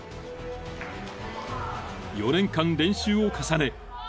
［４年間練習を重ね